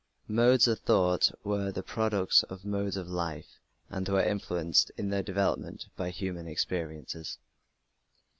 Modes of thought were the products of modes of life and were influenced in their development by human experiences.